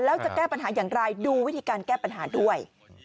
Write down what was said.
แล้วจะแก้ปัญหาอย่างไรดูวิธีการแก้ปัญหาด้วย